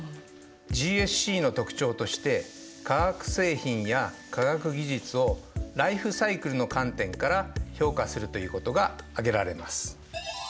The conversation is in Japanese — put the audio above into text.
ＧＳＣの特徴として化学製品や化学技術をライフサイクルの観点から評価するということが挙げられます。